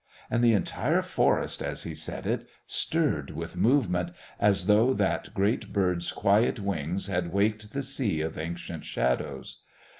And the entire forest, as he said it, stirred with movement, as though that great bird's quiet wings had waked the sea of ancient shadows.